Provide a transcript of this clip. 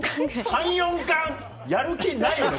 ３４缶⁉やる気ないよね